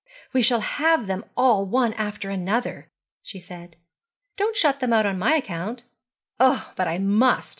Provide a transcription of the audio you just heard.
'We shall have them all one after another,' she said. 'Don't shut them out on my account.' 'Oh, but I must.